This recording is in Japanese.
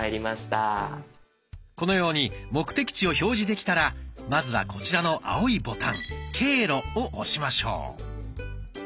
このように目的地を表示できたらまずはこちらの青いボタン「経路」を押しましょう。